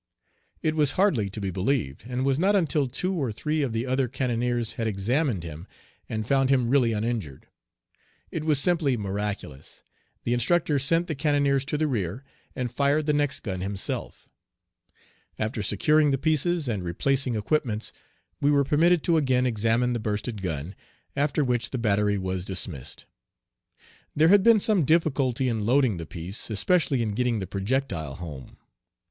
It was hardly to be believed, and was not until two or three of the other cannoneers had examined him and found him really uninjured. It was simply miraculous. The instructor sent the cannoneers to the rear, and fired the next gun himself. After securing the pieces and replacing equipments, we were permitted to again examine the bursted gun, after which the battery was dismissed. There had been some difficulty in loading the piece, especially in getting the projectile home.